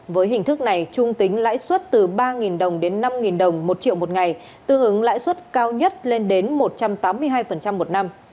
với hình thức này trung tính lãi suất từ ba đồng đến năm đồng một triệu một ngày tương ứng lãi suất cao nhất lên đến một trăm tám mươi hai một năm